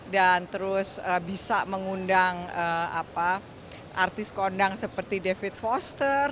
dan terus bisa mengundang artis kondang seperti david foster